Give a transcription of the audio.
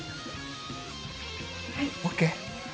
・はい！ＯＫ？